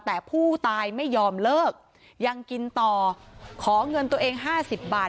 แต่ผู้ตายไม่ยอมเลิกยังกินต่อขอเงินตัวเอง๕๐บาท